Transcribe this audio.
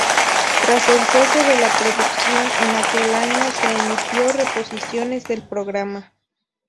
Tras el cese de la producción en aquel año, se emitió reposiciones del programa.